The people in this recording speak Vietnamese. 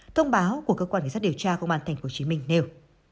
thông báo của cơ quan sát điều tra công an tp hcm nêu